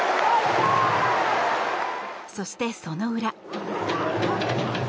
そして、その裏。